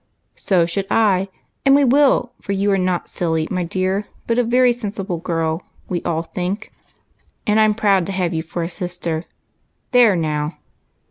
" So should I ! and we will, for you are not silly, my dear, but a very sensible girl, we all think, and I'm proud to have you for a sister. There, now!"